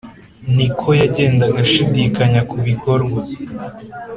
ni ko yagendaga ashidikanya ku bikorwa